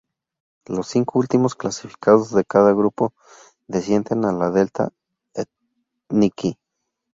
Los cinco últimos clasificados de cada grupo descienden a la Delta Ethniki.